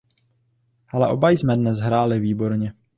Ale oba jsme dnes hráli výborně.